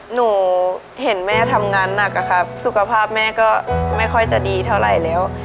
หนูเห็นแม่ทำงานหนักอะครับสุขภาพแม่ก็ไม่ค่อยจะดีเท่าไหร่แล้ว